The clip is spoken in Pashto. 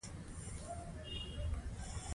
پوستین ګرم وي